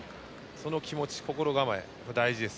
その気持ち、心構えが大事です。